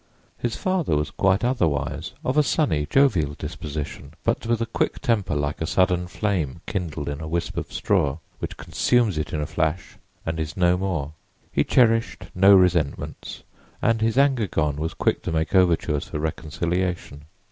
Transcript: His father was quite otherwise; of a sunny, jovial disposition, but with a quick temper like a sudden flame kindled in a wisp of straw, which consumes it in a flash and is no more. He cherished no resentments, and his anger gone, was quick to make overtures for reconciliation.